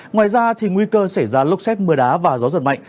ngoài ra nguy cơ xảy ra lốc xét mưa đá và gió giật mạnh